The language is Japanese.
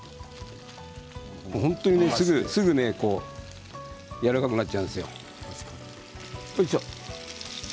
本当にすぐやわらかくなっちゃうんですよ。